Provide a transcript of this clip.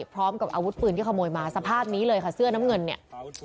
พร้อมกับอาวุธปืนที่ขโมยมาสภาพนี้เลยค่ะเสื้อน้ำเงินเนี่ย